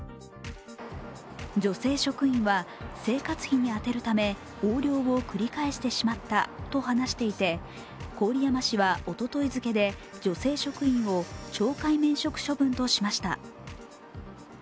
女性職員は生活費に充てるため横領を繰り返してしまったと話していて、郡山市はおととい付で女性職員を懲戒免職処分としました。